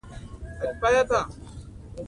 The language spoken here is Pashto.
په افغانستان کې ستوني غرونه ډېر اهمیت لري.